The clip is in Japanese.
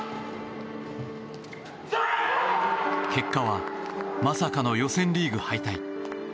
結果はまさかの予選リーグ敗退。